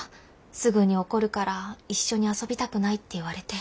すぐに怒るから一緒に遊びたくない」って言われて。